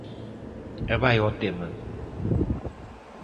E vaia ao tema.